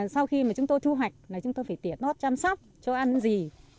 sau khi chúng tôi thu hoạch chúng tôi phải tiệt nốt chăm sóc cho ăn gì